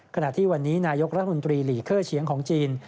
ขณะที่วันนี้นายกรัฐมนตรีหลีเคอร์เฉียงของจีน